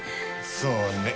そうね